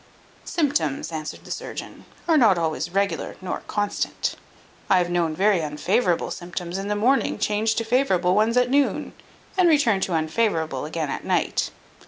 "Symptoms," answered the surgeon, "are not always regular nor constant. I have known very unfavourable symptoms in the morning change to favourable ones at noon, and return to unfavourable again at night.